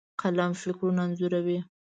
قلم فکرونه انځوروي.